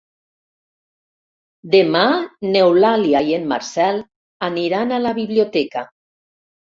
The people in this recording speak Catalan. Demà n'Eulàlia i en Marcel aniran a la biblioteca.